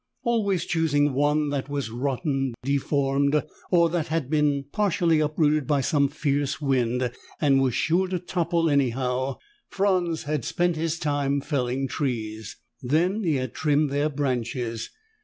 Always choosing one that was rotten, deformed, or that had been partially uprooted by some fierce wind and was sure to topple anyhow, Franz had spent his time felling trees. Then he had trimmed their branches.